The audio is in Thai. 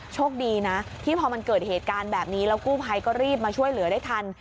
โชคดีนะที่พอมันเกิดเหตุการณ์แบบนี้แล้วกู้ภัยก็รีบมาช่วยเหลือได้ทัน